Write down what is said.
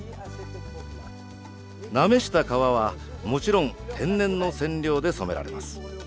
なめした革はもちろん天然の染料で染められます。